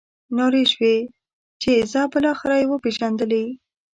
نارې شوې چې ځه بالاخره یې وپېژندلې.